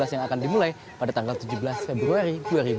yang akan dimulai pada tanggal tujuh belas februari dua ribu dua puluh